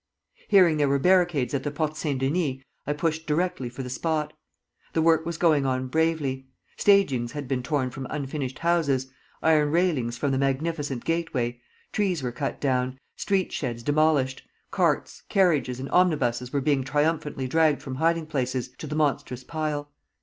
"Hearing there were barricades at the Porte Saint Denis, I pushed directly for the spot. The work was going on bravely. Stagings had been torn from unfinished houses, iron railings from the magnificent gateway; trees were cut down, street sheds demolished; carts, carriages, and omnibuses were being triumphantly dragged from hiding places to the monstrous pile.